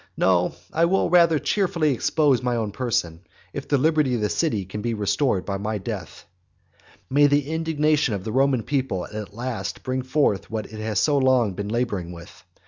No, I will rather cheerfully expose my own person, if the liberty of the city can be restored by my death. May the indignation of the Roman people at last bring forth what it has been so long labouring with.